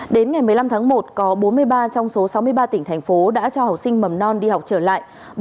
đến ngày một mươi năm tháng một có bốn mươi ba trong số sáu mươi ba tỉnh thành phố đã cho học sinh mầm non đi học trở lại